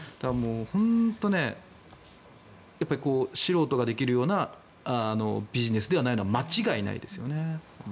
本当に素人ができるようなビジネスではないのは間違いないですよね。